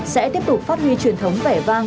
sẽ tiếp tục phát huy truyền thống vẻ vang